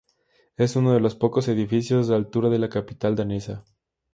Es uno de los pocos edificios de altura de la capital danesa.